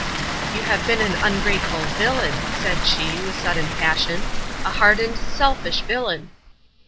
"You have been an ungrateful villain," said she, with sudden passion, "a hardened, selfish villain."